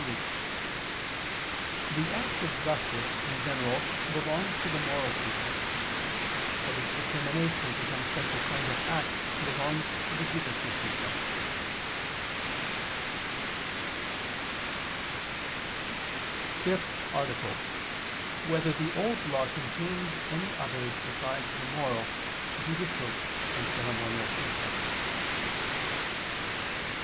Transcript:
3: The act of justice, in general, belongs to the moral precepts; but its determination to some special kind of act belongs to the judicial precepts. ________________________ FIFTH ARTICLE [I II, Q. 99, Art. 5] Whether the Old Law Contains Any Others Besides the Moral, Judicial, and Ceremonial Precepts?